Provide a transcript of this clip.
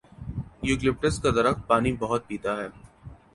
Eucalyptus کا درخت پانی بہت پیتا ہے۔